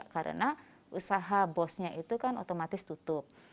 karena usaha bosnya itu kan otomatis tutup